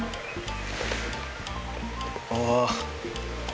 ああ。